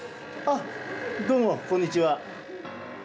あ、どうも、こんにちは。